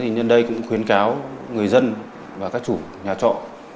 nên đây cũng khuyến cáo người dân và các chủ nhà trọ